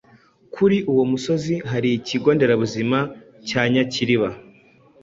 kuri uwo musozi ahari ikigo nderabuzima cya Nyakiriba.